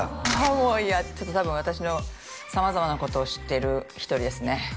もういや多分私の様々なことを知ってる１人ですね